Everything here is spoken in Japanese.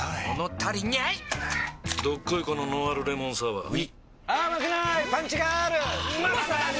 どっこいこのノンアルレモンサワーうぃまさに！